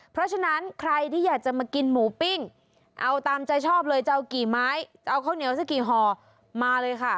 เพราะฉะนั้นใครที่อยากจะมากินหมูปิ้งเอาตามใจชอบเลยจะเอากี่ไม้จะเอาข้าวเหนียวสักกี่ห่อมาเลยค่ะ